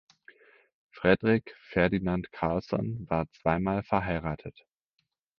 Fredrik Ferdinand Carlson war zweimal verheiratet.